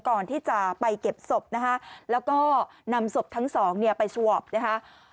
ก่อนที่จะไปเก็บศพนะคะแล้วก็นำศพทั้งสองเนี่ยไปสวอปนะคะ